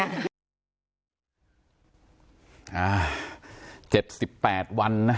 การแก้เคล็ดบางอย่างแค่นั้นเอง